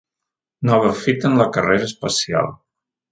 Nova fita en la carrera espacial.